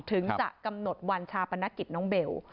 ถึงจะกำหนดวันชาปนกิจน้องเบล